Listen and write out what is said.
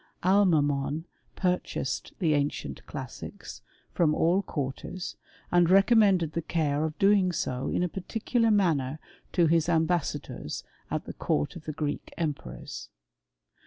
Al mamon purchased the ancient cliBissics, from all quar ters, and recommended the care of doing so in a par ticular manner to his ambassadors at the court of the ^eek emperors.